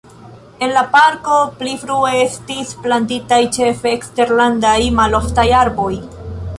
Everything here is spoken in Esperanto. En la parko pli frue estis plantitaj ĉefe eksterlandaj maloftaj arboj.